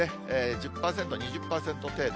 １０％、２０％程度。